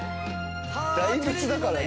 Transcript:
大仏だからね。